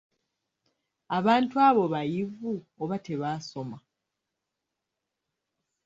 Abantu abo, bayivu oba tebaasoma?